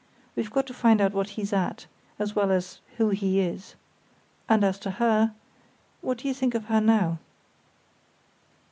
We've got to find out what he's at, as well as who he is. And as to her—what do you think of her now?"